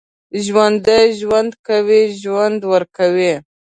ژوندي ژوند کوي، ژوند ورکوي